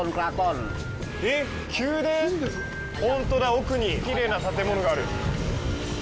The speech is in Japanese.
奥にきれいな建物がある。